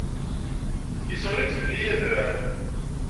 Isseɣli-d fell-i adrar.